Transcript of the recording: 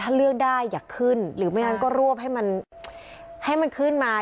ถ้าเลือกได้อยากขึ้นหรือไม่งั้นก็รวบให้มันให้มันขึ้นมา